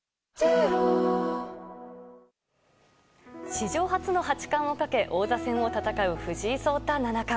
史上初の八冠をかけ王座戦を戦う藤井聡太七冠。